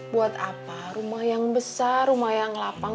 buat apa rumah yang besar rumah yang lapang